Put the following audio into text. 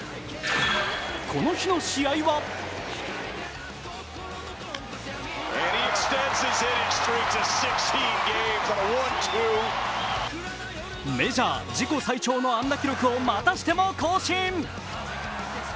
この日の試合はメジャー自己最長の安打記録をまたしても更新。